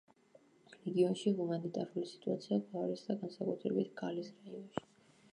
რეგიონში ჰუმანიტარული სიტუაცია გაუარესდა, განსაკუთრებით გალის რაიონში.